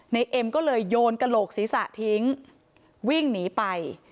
เอ็มก็เลยโยนกระโหลกศีรษะทิ้งวิ่งหนีไป